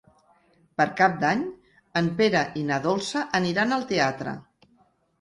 Per Cap d'Any en Pere i na Dolça aniran al teatre.